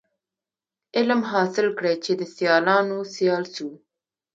علم حاصل کړی چي د سیالانو سیال سو.